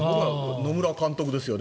野村監督ですよね。